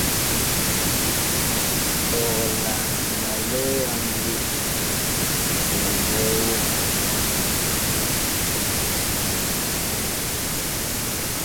Ɔg la ma li amble nɛŋɛɛ voŋ ?